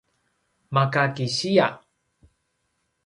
maka kisiya